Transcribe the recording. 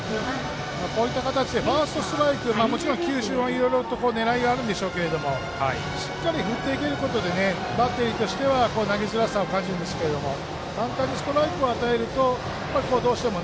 こういった形でファーストストライク球種も狙いがあるんでしょうけどしっかり振っていけることでバッテリーとしては投げづらさを感じるんですけど簡単にストライクを与えるとどうしても